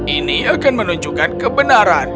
ini akan menunjukkan kebenaran